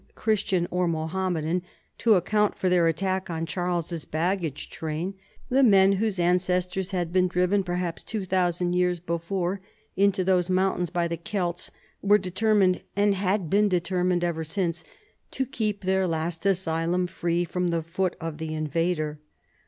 Christian or Mohammedan, to account for their attack on Ciiarles's baggage train. The men whose ancestors had been driven, perhaps two thousand years before, into those mountains by the Celts, were determined, and had been determined ever since, to keep their last asylum free from the foot of the invader.